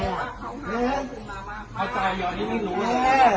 เอออาจารย์อย่างนี้ไม่รู้เลย